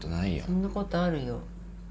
そんなことあるよ。